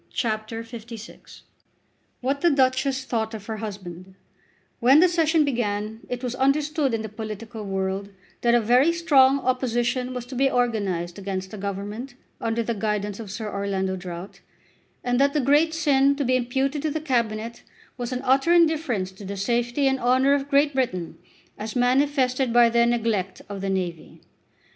CHAPTER LVI What the Duchess Thought of Her Husband When the Session began it was understood in the political world that a very strong opposition was to be organised against the Government under the guidance of Sir Orlando Drought, and that the great sin to be imputed to the Cabinet was an utter indifference to the safety and honour of Great Britain, as manifested by their neglect of the navy.